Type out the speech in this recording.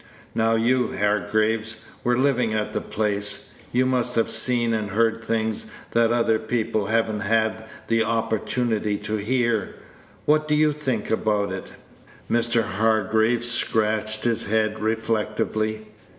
Now you, Hargraves, were living at the place; you must have seen and heard things that other people have n't had the opportunity to hear. What do you think about it?" Mr. Hargraves scratched his head reflectively.